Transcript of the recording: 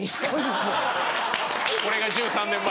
これが１３年前。